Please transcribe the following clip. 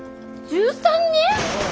１３人！？